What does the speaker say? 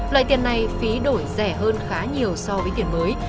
loại tiền này phí đổi rẻ hơn khá nhiều so với tiền mới